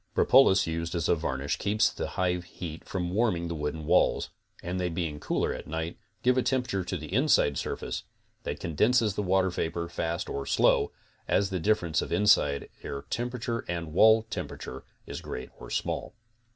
Propolis used as a varnish keeps the hive heat from warming the wooden walls, and they being cooler at night, give a temperature to the inside surface, that condenses the water vapor fast or slow, as the difference cf inside air temperature and wall temperature is great or small.